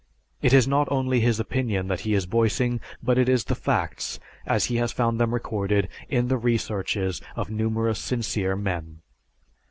It is not only his opinion that he is voicing, but it is the facts as he has found them recorded in the researches of numerous sincere men.